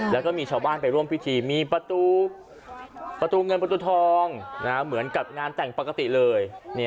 แล้วก็มีชาวบ้านไปร่วมพิธีมีประตูเงินประตูทองเหมือนกับงานแต่งปกติเลย